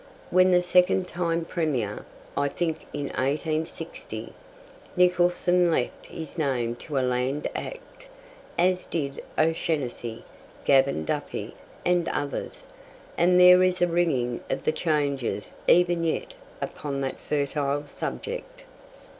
When the second time Premier, I think in 1860, Nicholson left his name to a Land Act, as did O'Shanassy, Gavan Duffy, and others, and there is a ringing of the changes even yet upon that fertile subject.